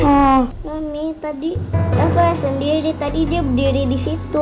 mami tadi rafa sendiri tadi dia berdiri disitu